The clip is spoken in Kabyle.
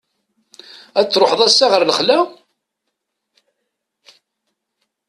Ad truḥeḍ ass-a ɣer lexla?